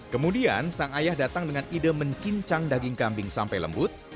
kemudian sang ayah datang dengan ide mencincang daging kambing sampai lembut